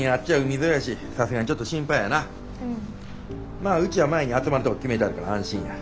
まあうちは前に集まるとこ決めたから安心や。